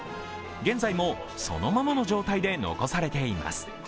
現在もそのままの状態で残されています。